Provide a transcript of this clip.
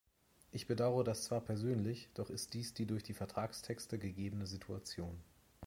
Ich bedaure das zwar persönlich, doch ist dies die durch die Vertragstexte gegebene Situation.